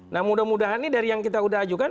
nah mudah mudahan ini dari yang kita sudah ajukan